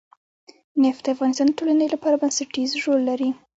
نفت د افغانستان د ټولنې لپاره بنسټيز رول لري.